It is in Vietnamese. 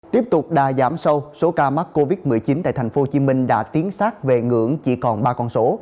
tiếp tục đà giảm sâu số ca mắc covid một mươi chín tại tp hcm đã tiến sát về ngưỡng chỉ còn ba con số